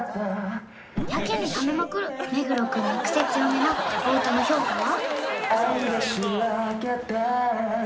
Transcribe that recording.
やけにタメまくる目黒君のクセ強めなお歌の評価は？